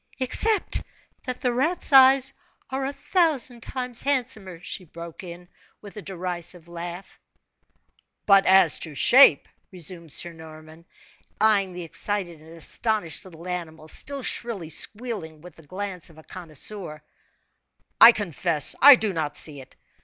"Except that the rat's eyes are a thousand times handsomer," she broke in, with a derisive laugh. "But as to shape," resumed Sir Norman, eyeing the excited and astonished little animal, still shrilly squealing, with the glance of a connoisseur, "I confess I do not see it!